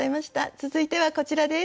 続いてはこちらです。